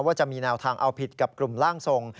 ว่าจะมีแนวทางเอาผิดกับกลุ่มร่างทรง